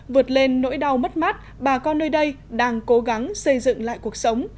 vượt lên nỗi đau mất mát bà con nơi đây đang cố gắng xây dựng lại cuộc sống